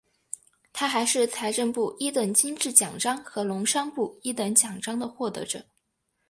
他还是财政部一等金质奖章和农商部一等奖章的获得者。